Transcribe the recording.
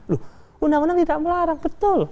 loh undang undang tidak melarang betul